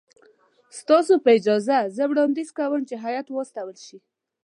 ستاسو په اجازه زه وړاندیز کوم چې هیات واستول شي.